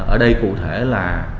ở đây cụ thể là